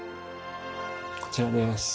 こちらです。